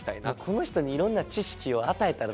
この人にいろんな知識を与えたらダメよ